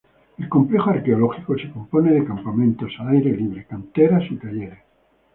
El complejo arqueológico se compone de campamentos al aire libre, canteras y talleres.